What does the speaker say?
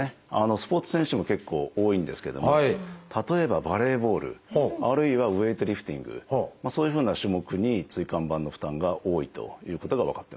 スポーツ選手も結構多いんですけども例えばバレーボールあるいはウエイトリフティングそういうふうな種目に椎間板の負担が多いということが分かってますね。